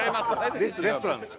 レストランです。